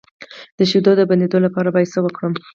د شیدو د بندیدو لپاره باید څه وکړم؟